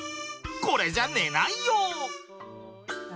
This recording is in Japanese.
これじゃ寝ないよ！